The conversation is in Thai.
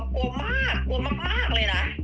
กลัวมากมากเลยนะ